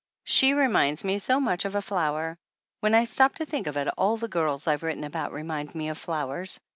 She reminds me so much of a flower. When I stop to think of it, all the girls I've written about remind me of flowers.